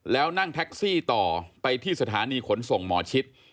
แล้วนั่งแท็กซี่ต่อไปที่สถานีขนส่งหมอชิด